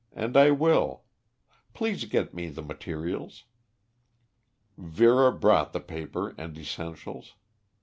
And I will. Please get me the materials." Vera brought the paper and essentials.